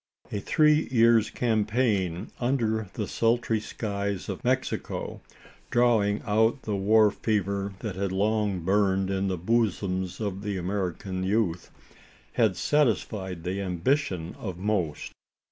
A three years' campaign under the sultry skies of Mexico drawing out the war fever that had long burned in the bosoms of the American youth had satisfied the ambition of most.